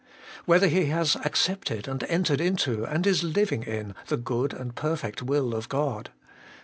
Whether he has accepted, and entered into, and is living in, the good and perfect will of God